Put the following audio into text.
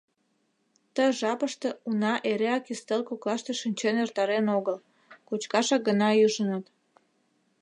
Ты жапыште уна эреак ӱстел коклаште шинчен эртарен огыл, кочкашак гына ӱжыныт.